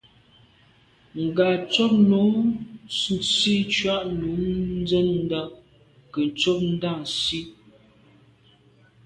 Ngatshob nu Nsi tshùa num nzendà nke’e ntsho Ndà Nsi.